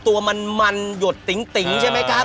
ตัวมันมันหยดติ๋งใช่ไหมครับ